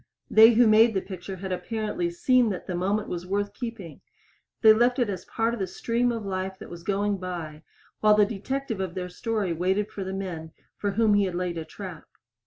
They who made the picture had apparently seen that the moment was worth keeping they left it as a part of the stream of life that was going by while the detective of their story waited for the men for whom he had laid a trap.